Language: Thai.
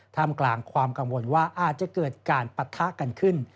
ทำกลางความกังวลว่าอาจจะเกิดการปะทะกันขึ้น